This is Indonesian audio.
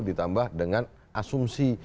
ditambah dengan asumsi